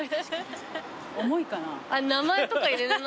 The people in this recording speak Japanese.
重いかな？